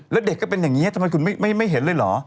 แล้วเด็กก็เป็นอย่างนี้ทำไมคุณไม่เห็นเลยเหรอ